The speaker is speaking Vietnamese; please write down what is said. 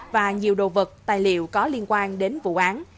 và nhiều đồ vật tài liệu có liên quan đến vụ án